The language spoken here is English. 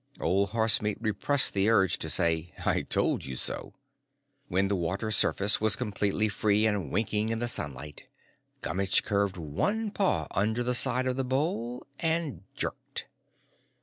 Old Horsemeat repressed the urge to say, "I told you so." When the water surface was completely free and winking in the sunlight, Gummitch curved one paw under the side of the bowl and jerked.